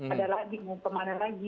ada lagi mau kemana lagi